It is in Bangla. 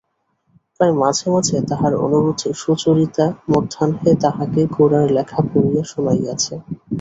প্রায় মাঝে মাঝে তাঁহার অনুরোধে সুচরিতা মধ্যাহ্নে তাঁহাকে গোরার লেখা পড়িয়া শুনাইয়াছে।